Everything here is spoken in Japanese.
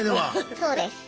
そうです。